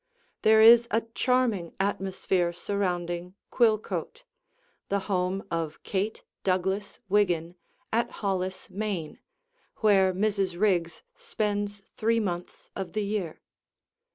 There is a charming atmosphere surrounding "Quillcote," the home of Kate Douglas Wiggin, at Hollis, Maine, where Mrs. Riggs spends three months of the year.